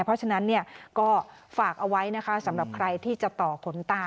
เพราะฉะนั้นก็ฝากเอาไว้นะคะสำหรับใครที่จะต่อขนตา